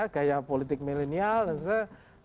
gaya politik milenial dan sebagainya